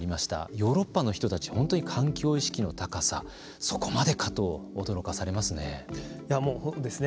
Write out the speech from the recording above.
ヨーロッパの人たち本当に環境意識の高さそこまでかと驚かされますね。